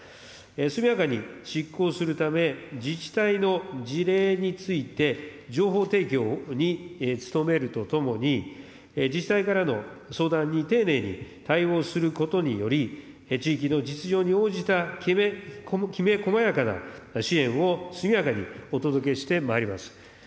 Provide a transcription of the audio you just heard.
速やかに執行するため、自治体の事例について、情報提供に努めるとともに、自治体からの相談に丁寧に対応することにより、地域の実情に応じたきめ細やかな支援を速やかにお届けしてまいります。